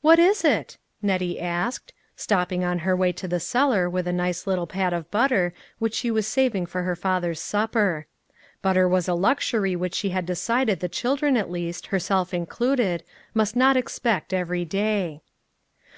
"What is it?" Nettie asked, stopping on her way to the cellar with a nice little pat of butter A WILL AND A WAT. 283 which she was saving for her father's supper. Butter was a luxury which she had decided the children at least, herself included, must not ex pect every day.